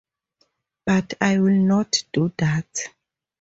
But I will not do that.